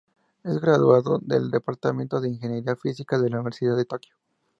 Es graduado del departamento de Ingeniería Física de la Universidad de Tokio.